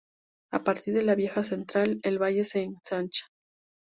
A partir de la vieja central, el valle se ensancha.